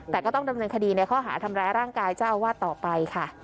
แต่ก็ต้องดำเนินคดีในข้อหาทำร้ายร่างกายเจ้าอาวาสต่อไปค่ะ